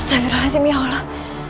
astagfirullahaladzim ya allah